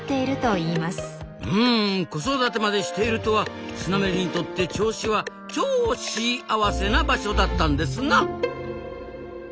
うん子育てまでしているとはスナメリにとって銚子はちょしあわせな場所だったんですな。